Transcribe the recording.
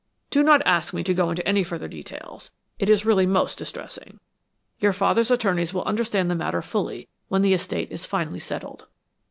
Do not ask me to go into any further details. It is really most distressing. Your father's attorneys will understand the matter fully when the estate is finally settled."